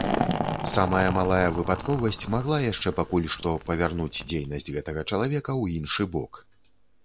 Самая малая выпадковасць магла яшчэ пакуль што павярнуць дзейнасць гэтага чалавека ў іншы бок.